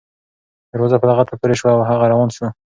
دروازه په لغته پورې شوه او هغه روان شو.